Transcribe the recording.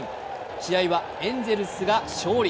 試合はエンゼルスが勝利。